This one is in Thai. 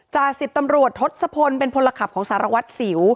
จ่าสิบตำรวจทศพลเป็นพลขับของสารวัตรสิว